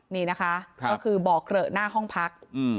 นี่นะคะก็คือบ่อเกลอะหน้าห้องพัก